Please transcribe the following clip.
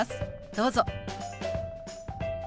どうぞ。